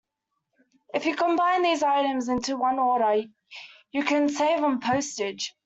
If you combine these items into one order, you can save on postage.